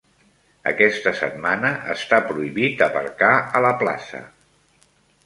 Aquesta setmana està prohibit aparcar a la plaça.